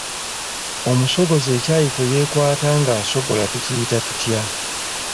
Omusogozi ekyayi kwe yeekwata ng’asogola tukiyita tutya?